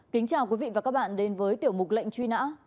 kính chào quý vị và các bạn đến với tiểu mục lệnh truy nã